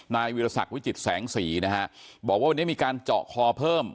นายวิทยาศาสตร์วิจิตแสงศรีนะครับบอกว่าวันนี้มีการเจาะคอเพิ่ม